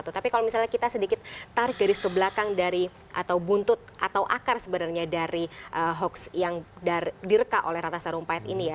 tapi kalau misalnya kita sedikit tarik garis ke belakang dari atau buntut atau akar sebenarnya dari hoax yang direka oleh ratna sarumpait ini ya